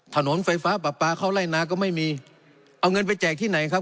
ถนนไฟฟ้าปลาปลาเข้าไล่นาก็ไม่มีเอาเงินไปแจกที่ไหนครับ